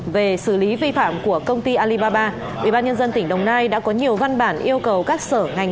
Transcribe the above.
về xử lý vi phạm của công ty alibaba ubnd tỉnh đồng nai đã có nhiều văn bản yêu cầu các sở ngành